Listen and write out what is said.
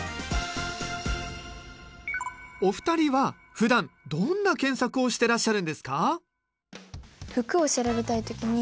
お二人はふだんどんな検索をしてらっしゃるんですか？